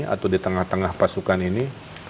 atau di tengah tengah pasukan ini